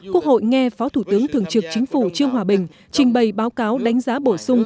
quốc hội nghe phó thủ tướng thường trực chính phủ trương hòa bình trình bày báo cáo đánh giá bổ sung